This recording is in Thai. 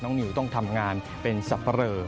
น้องนิวต้องทำงานเป็นสับเปรอ